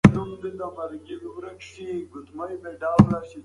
انسان باید هره ستونزه د حل لارې لپاره وګوري.